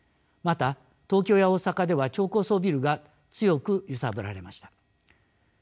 また東京や大阪では超高層ビルが強く揺さぶられました。